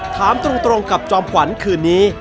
ถามตรงกับจอมขวัญคืนนี้